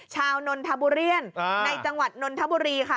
ชาวนทบุเรียนในจังหวัดนทบุรีค่ะ